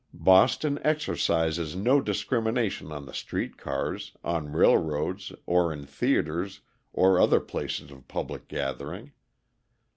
Boston exercises no discrimination on the street cars, on railroads, or in theatres or other places of public gathering.